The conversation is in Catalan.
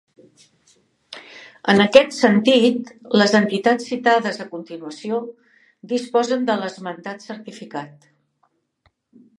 En aquest sentit les entitats citades a continuació disposen de l'esmentat certificat.